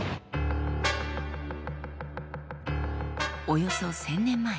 およそ１，０００年前。